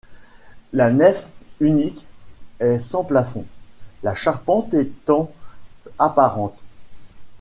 La nef unique est sans plafond, la charpente étant apparente.